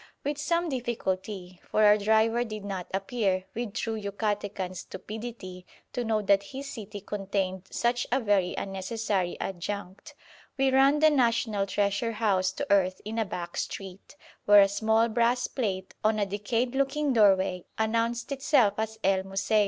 With some difficulty for our driver did not appear, with true Yucatecan stupidity, to know that his city contained such a very unnecessary adjunct we ran the national treasure house to earth in a back street, where a small brass plate on a decayed looking doorway announced itself as "El Museo."